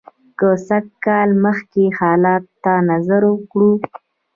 که سل کاله مخکې حالاتو ته نظر وکړو.